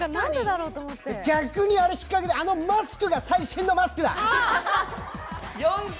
逆に引っかけで、あのマスクが最新のマスクだ！